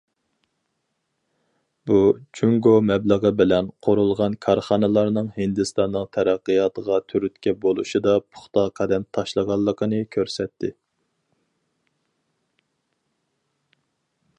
بۇ، جۇڭگو مەبلىغى بىلەن قۇرۇلغان كارخانىلارنىڭ ھىندىستاننىڭ تەرەققىياتىغا تۈرتكە بولۇشىدا پۇختا قەدەم تاشلىغانلىقىنى كۆرسەتتى.